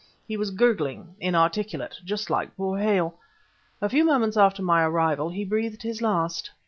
He was gurgling, inarticulate, just like poor Hale. A few moments after my arrival he breathed his last.